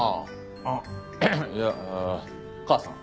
あっいや母さん。